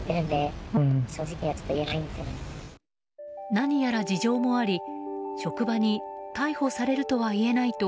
何やら事情もあり職場に逮捕されるとは言えないと